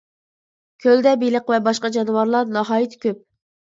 كۆلدە بېلىق ۋە باشقا جانىۋارلار ناھايىتى كۆپ.